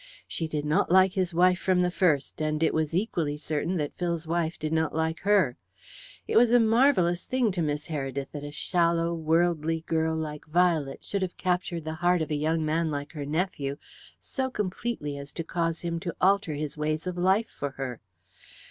She did not like his wife from the first, and it was equally certain that Phil's wife did not like her. It was a marvellous thing to Miss Heredith that a shallow worldly girl like Violet should have captured the heart of a young man like her nephew so completely as to cause him to alter his ways of life for her.